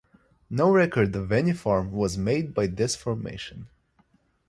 No record of any form was made by this formation.